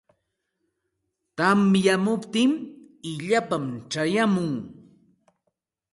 Tamyamuptin illapam chayamun.